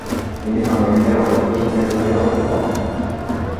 তিনি বাংলাকে আপাতঃ স্বাধীনতা দিতে বাধ্য হন।